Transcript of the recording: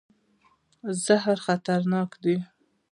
زهر خطرناک دی.